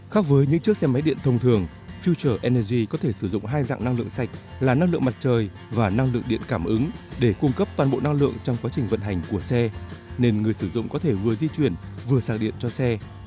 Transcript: khác với những chiếc xe máy điện thông thường fuel energy có thể sử dụng hai dạng năng lượng sạch là năng lượng mặt trời và năng lượng điện cảm ứng để cung cấp toàn bộ năng lượng trong quá trình vận hành của xe nên người sử dụng có thể vừa di chuyển vừa sạc điện cho xe